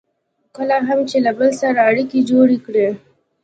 کله هم چې له بل سره اړیکې جوړې کړئ.